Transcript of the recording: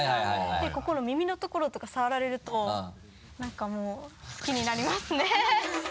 でここの耳のところとか触られるとなんかもう好きになりますね。